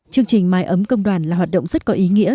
chương trình mái ấm công đoàn là hoạt động rất có ý nghĩa